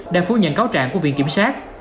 đã phu nhận cáo trạng của viện kiểm sát